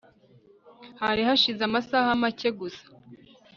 Hari hashize amasaha make gusa